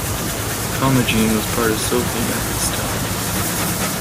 Commagene was part of Sophene at this time.